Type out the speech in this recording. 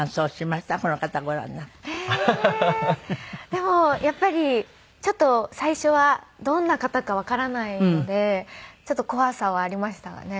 でもやっぱりちょっと最初はどんな方かわからないのでちょっと怖さはありましたね。